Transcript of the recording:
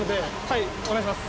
いお願いします